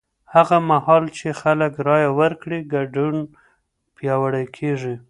هغه مهال چې خلک رایه ورکړي، ګډون پیاوړی کېږي.